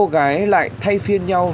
các cô gái lại thay phiên nhau